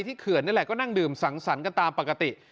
ไปที่เขื่อนนั่นแหละก็นั่งดื่มสั่งสั่นกันตามปกติ